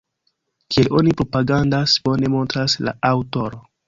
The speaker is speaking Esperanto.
Kiel oni propagandas, bone montras la aŭtoro.